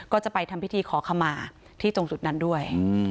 ก็จะไปทำพิธีขอขมาที่ตรงจุดนั้นด้วย